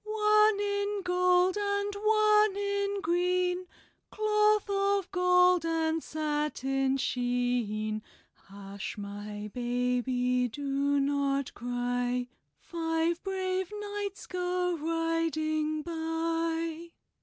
One in gold and one in green, Cloth of gold and satin sheen. Hush, my baby, do not cry, Five brave knights go riding by."